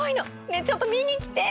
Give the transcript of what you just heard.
ねえちょっと見に来て！